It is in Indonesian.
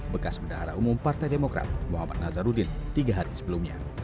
bekas bendahara umum partai demokrat muhammad nazarudin tiga hari sebelumnya